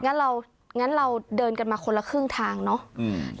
งั้นเรางั้นเราเดินกันมาคนละครึ่งทางเนาะ